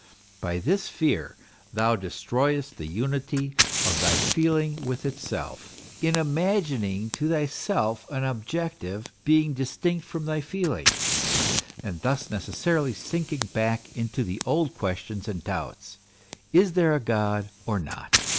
By this fear thou destroyest the unity of thy feeling with itself, in imagining to thyself an objective being distinct from thy feeling, and thus necessarily sinking back into the old questions and doubts is there a God or not?